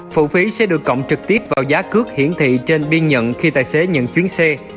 phụ phí sẽ được cộng trực tiếp vào giá cước hiển thị trên biên nhận khi tài xế nhận chuyến xe